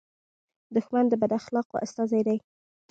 دښمن د بد اخلاقو استازی دی